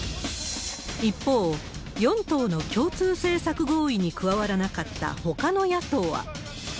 一方、４党の共通政策合意に加わらなかったほかの野党は。